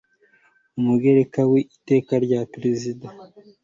umugereka w iteka rya perezida